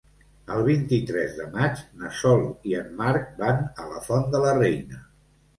El vint-i-tres de maig na Sol i en Marc van a la Font de la Reina.